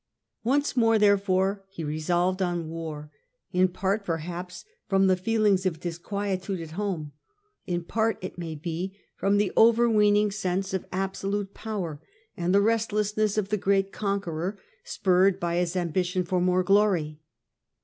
Once more therefore he resolved on war, in part per haps from the feelings of disquietude at home, in part it may be from the overweening sense of absolute power, and the restlessness of the great conqueror, spurred on by his ambition for more glory.